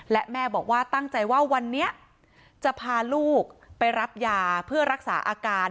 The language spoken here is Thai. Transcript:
และแม่บอกว่าตั้งใจว่าวันนี้จะพาลูกไปรับยาเพื่อรักษาอาการ